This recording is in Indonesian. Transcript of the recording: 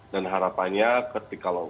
dan harapannya ketika